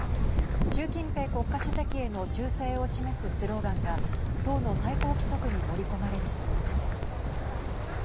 習近平国家主席への忠誠を示すスローガンが党の最高規則に盛り込まれる見通しです。